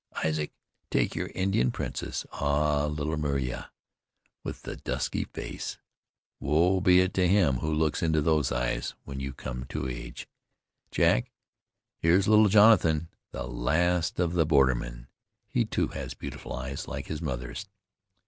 Isaac, take your Indian princess; ah! little Myeerah with the dusky face. Woe be to him who looks into those eyes when you come to age. Jack, here's little Jonathan, the last of the bordermen; he, too, has beautiful eyes, big like his mother's.